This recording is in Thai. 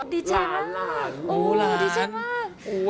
ดีชัยมากดีชัยมาก